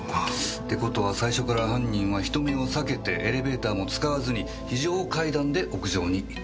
って事は最初から犯人は人目を避けてエレベーターも使わずに非常階段で屋上に行った。